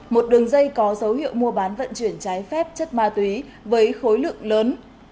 một đường dây có dấu hiệu mua bán vận chuyển trái phép chất ma túy với khối lượng lớn